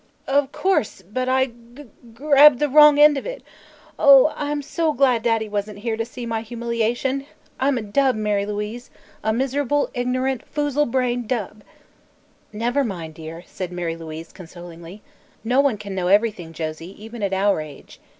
"Of course; but I g grabbed the wrong end of it. Oh, I'm so glad Daddy wasn't here to see my humiliation! I'm a dub, Mary Louise a miserable, ignorant, foozle brained dub!" "Never mind, dear," said Mary Louise consolingly. "No one can know everything, Josie, even at our age.